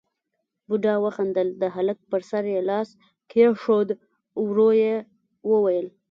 بوډا وخندل، د هلک پر سر يې لاس کېښود، ورو يې وويل: